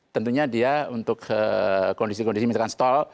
tentunya dia untuk kondisi kondisi misalkan stall